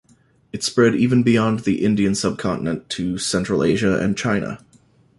It spread even beyond the Indian subcontinent to Central Asia and China.